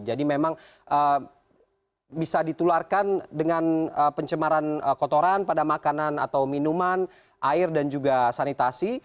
jadi memang bisa ditularkan dengan pencemaran kotoran pada makanan atau minuman air dan juga sanitasi